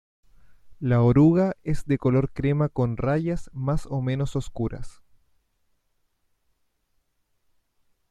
La oruga es de color crema con rayas más o menos oscuras.